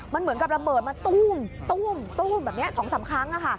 มันเหมือนกับระเบิดมาตู้มแบบนี้๒๓ครั้ง